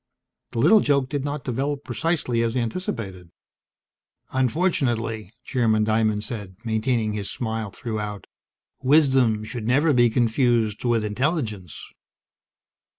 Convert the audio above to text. The little joke did not develop precisely as anticipated. "Unfortunately," Chairman Diamond said, maintaining his smile throughout, "wisdom should never be confused with intelligence."